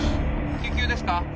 救急ですか？